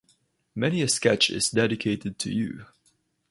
Many a sketch is dedicated to you.